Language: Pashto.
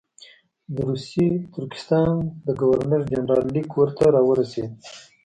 د روسي ترکستان د ګورنر جنرال لیک ورته راورسېد.